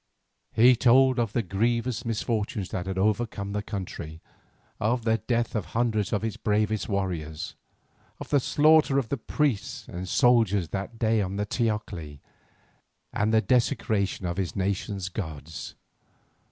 He told of the grievous misfortunes that had overcome the country, of the death of hundreds of its bravest warriors, of the slaughter of the priests and soldiers that day on the teocalli, and the desecration of his nation's gods.